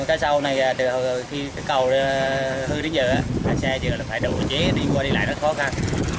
cái sau này khi cầu hư đến giờ xe chỉ phải đổ chế đi qua đi lại nó khó khăn